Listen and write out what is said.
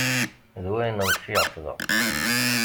D wayen ɣef̣ i ɛetbeɣ.